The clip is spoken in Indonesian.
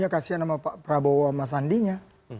ya kasihan sama pak prabowo sama sandinya